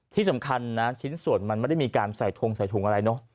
ที่สำคัญนะชิ้นส่วนมันไม่ได้มีการใส่ทงใส่ถุงอะไรเนอะ